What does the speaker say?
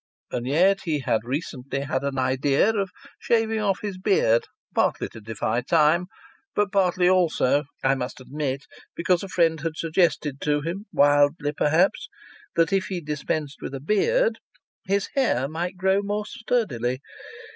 And yet he had recently had an idea of shaving off his beard, partly to defy time, but partly also (I must admit) because a friend had suggested to him, wildly, perhaps that if he dispensed with a beard his hair might grow more sturdily